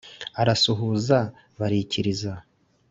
arasuhuza barikiriza